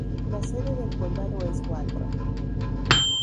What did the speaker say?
La sede del condado es Waldron.